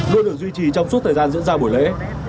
được được duy trì trong suốt thời gian dẫn ra buổi lễ